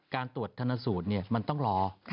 การตรวจธนสูตรมันต้องรอ